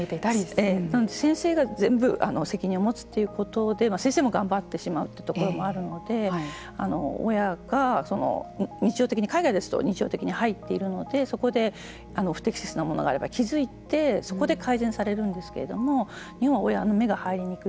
先生が全部責任を持つということでは先生も頑張ってしまうというところもあるので親が海外ですと日常的に入っていますのでそこで不適切なものがあれば気付いてそこで改善されるんですけれども日本は親の目が入りにくい。